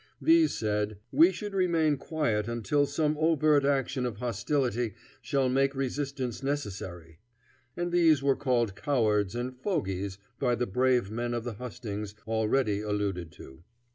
These said, "We should remain quiet until some overt act of hostility shall make resistance necessary." And these were called cowards and fogies by the brave men of the hustings already alluded to.